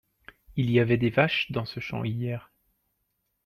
il y avait des vaches dans ce hamps hier.